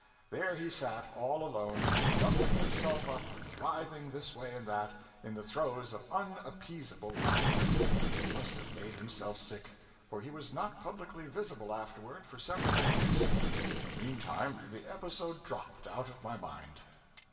There he sat, all alone, doubling himself up and writhing this way and that, in the throes of unappeasable laughter. He must have made himself sick; for he was not publicly visible afterward for several days. Meantime, the episode dropped out of my mind.